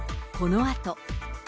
このあと。